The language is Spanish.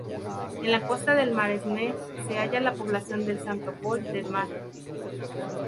En la costa del Maresme se halla la población de Sant Pol de Mar.